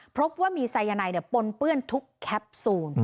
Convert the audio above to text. พบว่ามีไซยาไนปนเปื้อนทุกแคปซูล